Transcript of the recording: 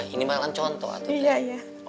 ini mah kan contoh